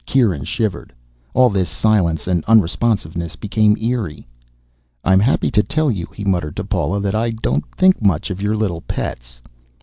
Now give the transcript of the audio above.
Kieran shivered. All this silence and unresponsiveness became eerie. "I'm happy to tell you," he murmured to Paula, "that I don't think much of your little pets?"